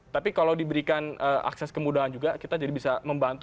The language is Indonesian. tapi kalau diberikan akses kemudahan juga kita jadi bisa membantu